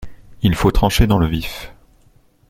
Il faut trancher dans le vif…